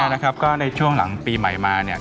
ปีมะแม่นะครับก็ในช่วงหลังปีใหม่มา